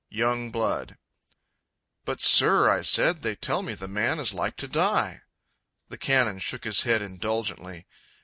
Young Blood "But, sir," I said, "they tell me the man is like to die!" The Canon shook his head indulgently.